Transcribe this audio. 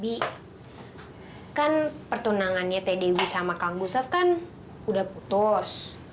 di kan pertunangannya teh dewi sama kang gusaf kan udah putus